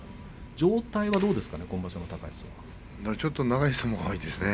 状態はどうですか？